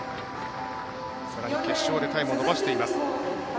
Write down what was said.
決勝でタイムを伸ばしています。